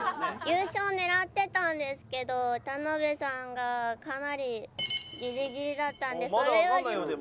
優勝狙ってたんですけど田辺さんがかなりギリギリだったんでそれより。